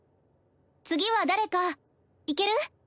次は誰かいける？